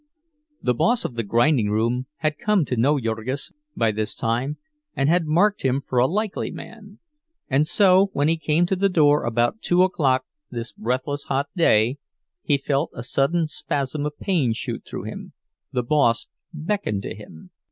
The boss of the grinding room had come to know Jurgis by this time, and had marked him for a likely man; and so when he came to the door about two o'clock this breathless hot day, he felt a sudden spasm of pain shoot through him—the boss beckoned to him!